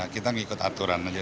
kita mengikut aturan aja